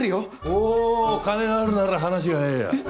おお金があるなら話が早えや。